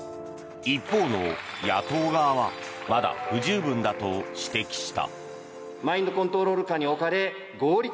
一方の野党側はまだ不十分だと指摘した。